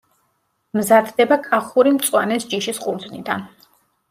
მზადდება კახური მწვანეს ჯიშის ყურძნიდან.